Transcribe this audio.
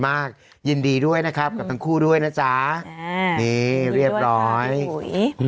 ยินดีด้วยนะครับกับทั้งคู่ด้วยนะจ๊ะอ่านี่เรียบร้อยอุ้ย